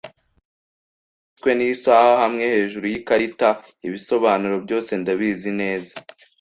Nashutswe nisaha hamwe hejuru yikarita, ibisobanuro byose ndabizi neza